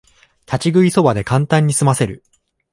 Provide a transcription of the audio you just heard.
立ち食いそばでカンタンにすませる